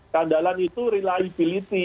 keandalan itu reliability